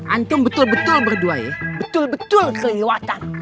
antum betul betul berdua ya betul betul kelewatan